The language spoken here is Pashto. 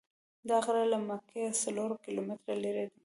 دا غر له مکې څلور کیلومتره لرې دی.